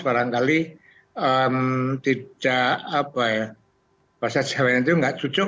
barangkali tidak apa ya bahasa jawa itu tidak cucuk